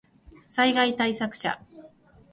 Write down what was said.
災害対策車